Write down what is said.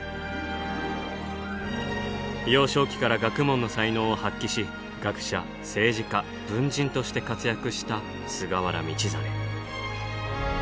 幼少期から学問の才能を発揮し学者政治家文人として活躍した菅原道真。